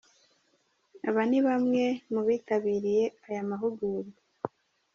Aba ni bamwe mu bitabiriye aya mahugurwa .